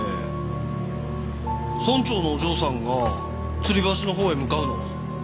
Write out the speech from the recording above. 村長のお嬢さんがつり橋のほうへ向かうのを。